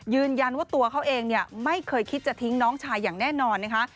ยืนยันว่าตัวเขาเองไม่เคยคิดจะทิ้งน้องชายอย่างแน่นอนนะคะ